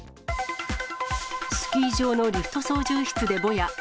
スキー場のリフト操縦室でぼや。